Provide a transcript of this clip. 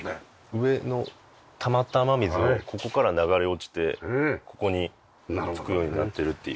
上のたまった雨水をここから流れ落ちてここに着くようになってるっていう。